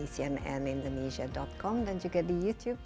di cnnindonesia com dan juga di youtube